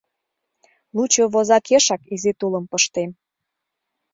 Лучо возакешак изи тулым пыштем.